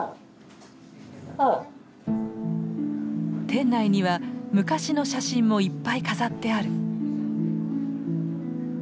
店内には昔の写真もいっぱい飾ってある。